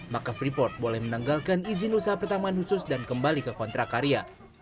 maka freeport boleh menanggalkan izin usaha pertambangan khusus dan kembali ke kontrak karya